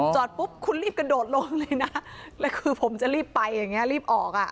จอดปุ๊บคุณรีบกระโดดลงเลยนะแล้วคือผมจะรีบไปอย่างเงี้รีบออกอ่ะ